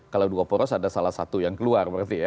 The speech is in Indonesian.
kalau dua poros ada salah satu yang keluar berarti ya